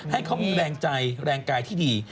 ให้เขามีแรงใจแรงกายที่ดี